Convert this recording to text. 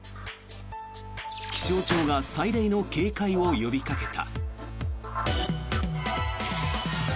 気象庁が最大の警戒を呼びかけた。